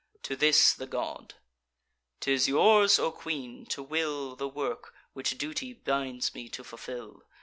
To this the god: "'Tis yours, O queen, to will The work which duty binds me to fulfil.